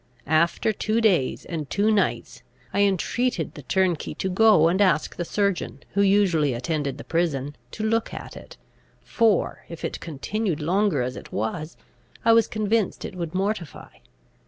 After two days and two nights, I entreated the turnkey to go and ask the surgeon, who usually attended the prison, to look at it, for, if it continued longer as it was, I was convinced it would mortify.